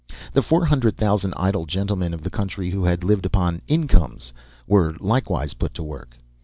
The four hundred thousand idle gentlemen of the country who had lived upon incomes were likewise put to work.